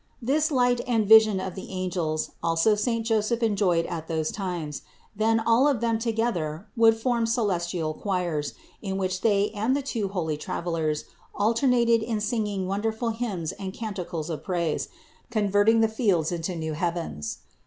384 CITY OF GOD This light and vision of the angels also saint Joseph enjoyed at those times; then all of them together would form celestial choirs, in which they and the two holy travelers alternated in singing wonderful hymns and canticles of praise, converting the fields into new heavens.